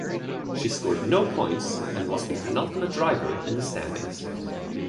She scored no points and was the penultimate driver in the standings.